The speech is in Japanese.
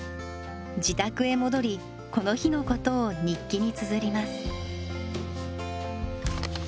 自宅へ戻りこの日のことを日記につづります。